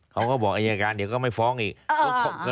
เขาก็บอกอายการเดี๋ยวก็ไม่ฟ้องอีก